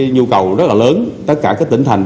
nhu cầu rất là lớn tất cả các tỉnh thành